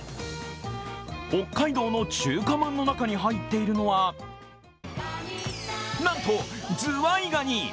北海道の中華まんの中に入っているのは、なんとズワイガニ。